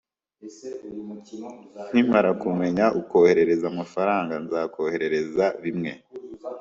nkimara kumenya ukohereza amafaranga, nzakoherereza bimwe